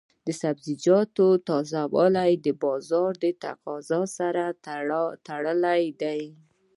د سبزیجاتو تازه والی د بازار د تقاضا سره تړلی دی.